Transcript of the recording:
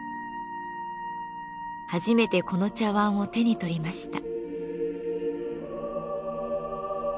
初めてこの茶碗を手に取りました。